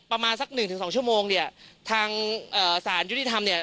ประมาณสักหนึ่งถึงสองชั่วโมงเนี่ยทางเอ่อสารยุติธรรมเนี่ย